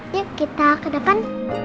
yuk kita ke depan